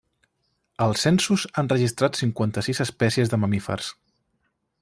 Els censos han registrat cinquanta-sis espècies de mamífers.